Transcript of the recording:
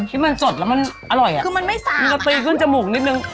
ที่มันสดแล้วมันอร่อยอ่ะคือมันไม่ซ้ำมันจะตีขึ้นจมูกนิดนึง